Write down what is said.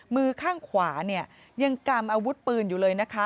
มือข้างขวาเนี่ยยังกำอาวุธปืนอยู่เลยนะคะ